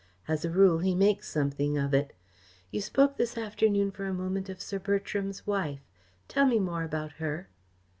As a rule he makes something of it. You spoke this afternoon for a moment of Sir Bertram's wife. Tell me more about her."